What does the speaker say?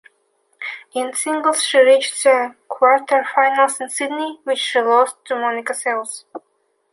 In singles she reached the quarterfinals in Sydney, which she lost to Monica Seles.